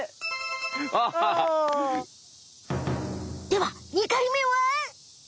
では２回めは！？